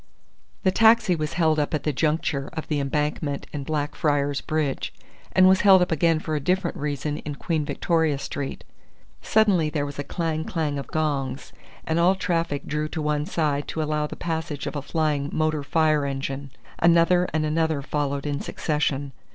The taxi was held up at the juncture of the Embankment and Blackfriars Bridge, and was held up again for a different reason in Queen Victoria Street. Suddenly there was a clang clang of gongs, and all traffic drew to one side to allow the passage of a flying motor fire engine. Another and another followed in succession.